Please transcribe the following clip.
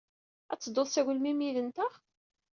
Ad tedduḍ s agelmim yid-nteɣ?